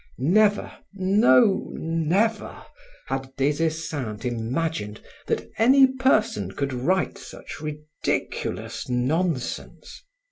Never, no, never, had Des Esseintes imagined that any person could write such ridiculous nonsense.